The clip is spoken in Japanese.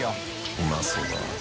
うまそうだ。